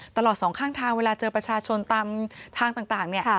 ตลอดสองข้างทางเวลาเจอประชาชนตามทางต่างเนี่ย